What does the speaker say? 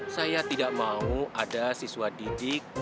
saya tidak mau ada siswa didik